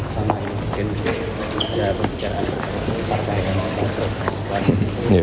sama sama mungkin juga berbicara tentang partai yang lain